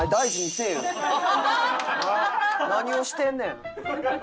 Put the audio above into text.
何をしてんねん。